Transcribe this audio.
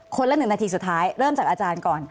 ละ๑นาทีสุดท้ายเริ่มจากอาจารย์ก่อน